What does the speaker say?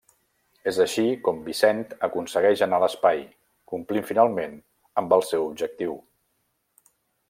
És així com Vincent aconsegueix anar a l'espai, complint finalment amb el seu objectiu.